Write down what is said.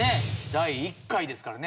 第１回ですからね。